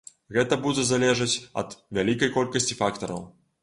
Гэта будзе залежаць ад вялікай колькасці фактараў.